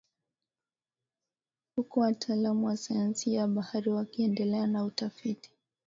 Huku wataalamu wa sayansi ya bahari wakiendelea na utafiti